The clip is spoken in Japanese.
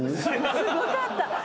すごかった。